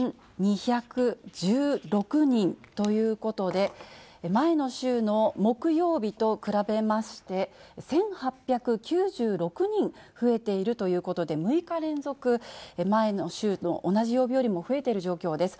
４２１６人ということで、前の週の木曜日と比べまして、１８９６人増えているということで、６日連続、前の週の同じ曜日よりも増えている状況です。